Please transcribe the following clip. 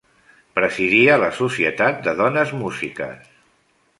Presidia la Societat de Dones Músiques.